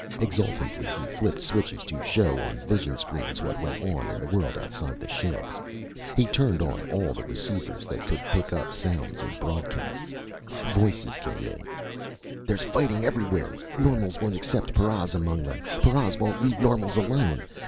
Exultantly, he flipped switches to show on vision screens what went on in the world outside the ship. He turned on all the receivers that could pick up sounds and broadcasts. Voices came in: "_There's fighting everywhere! Normals won't accept paras among them! Paras won't leave normals alone....